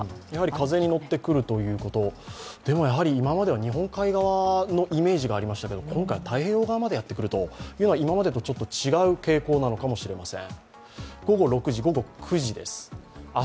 風に乗ってくるということでも今までは日本海側のイメージがありましたけど、今回は太平洋側までやってくると今までと違う傾向なのかもしれません。